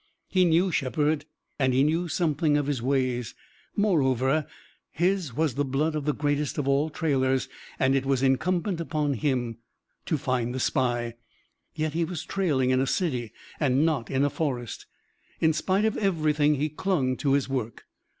He knew Shepard and he knew something of his ways. Moreover, his was the blood of the greatest of all trailers, and it was incumbent upon him to find the spy. Yet he was trailing in a city and not in a forest. In spite of everything he clung to his work.